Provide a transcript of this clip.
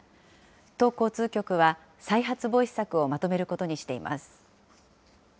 都交通局は、再発防止策をまとめることにしています。